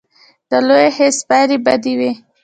د لوی خیز پایلې بدې وې.